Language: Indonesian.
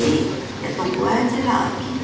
jadi ya tunggu aja lah